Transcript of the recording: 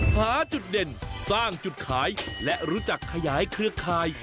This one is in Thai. หาจุดเด่นสร้างจุดขายและรู้จักขยายเครือข่าย